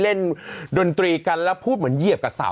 ดนตรีกันแล้วพูดเหมือนเหยียบกับสาว